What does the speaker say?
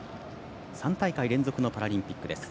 ３大会連続のパラリンピック。